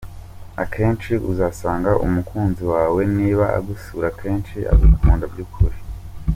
Akenshi uzasanga umukunzi wawe niba agusura kenshi agukunda by’ukuri.